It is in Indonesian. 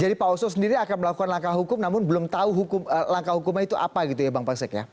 jadi pak oso sendiri akan melakukan langkah hukum namun belum tahu langkah hukumnya itu apa gitu ya bang pasek ya